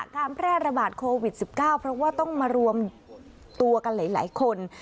การแพร่ระบาดโควิด๑๙เพราะว่าต้องมารวมตัวกันหลายคน